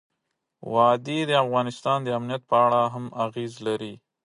وادي د افغانستان د امنیت په اړه هم اغېز لري.